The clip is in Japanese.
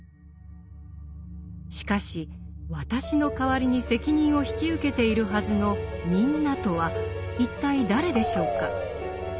しかし「私」の代わりに責任を引き受けているはずの「みんな」とは一体誰でしょうか？